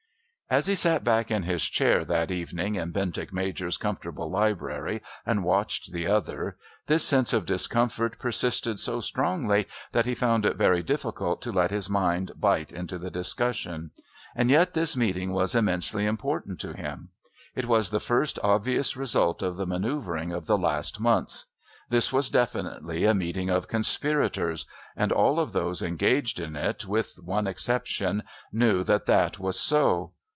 As he sat back in his chair that evening in Bentinck Major's comfortable library and watched the other, this sense of discomfort persisted so strongly that he found it very difficult to let his mind bite into the discussion. And yet this meeting was immensely important to him. It was the first obvious result of the manoeuvring of the last months. This was definitely a meeting of Conspirators, and all of those engaged in it, with one exception, knew that that was so.